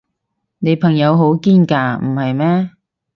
你朋友好堅㗎，唔係咩？